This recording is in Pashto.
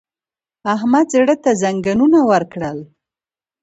احمد زړه ته زنګنونه ورکړل!